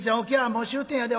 もう終点やで。